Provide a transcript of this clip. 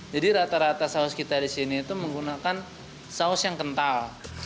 jadi rata rata saus kita disini itu menggunakan saus yang kental